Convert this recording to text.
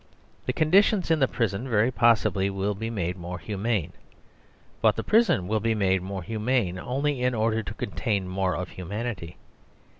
The conditions in the prison, very possibly, will be made more humane. But the prison will be made more humane only in order to contain more of humanity.